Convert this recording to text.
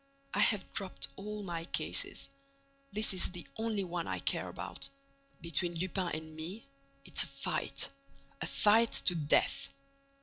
I have dropped all my cases. This is the only one I care about. Between Lupin and me, it's a fight—a fight to the death."